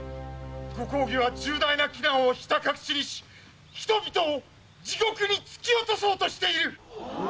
ご公儀は重大な危難をひた隠しにし人々を地獄に突き落とそうとしている！